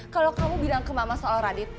kalau kamu bilang ke mama soal radit